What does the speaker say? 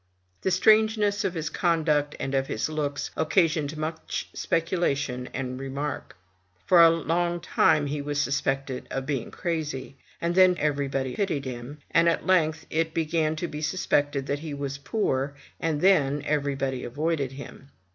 The strangeness of his conduct and of his looks occasioned much speculation and remark. For a long time he was suspected of being crazy; and then everybody pitied him; and at length it began to be suspected that he was poor, and then everybody avoided him.